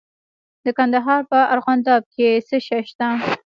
د کندهار په ارغنداب کې څه شی شته؟